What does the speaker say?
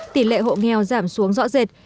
tỷ lệ hộ nghèo giảm xuống rõ rệt